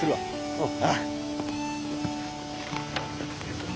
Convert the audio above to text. おう。